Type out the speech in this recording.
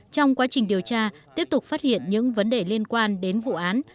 trong quá trình điều tra tiếp tục phát hiện những vấn đề liên quan đến vụ án